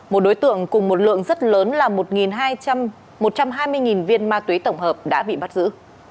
một đối tượng cùng một lượng rất lớn là một trăm hai mươi viên ma túy tổng hợp đã bị bắt giữ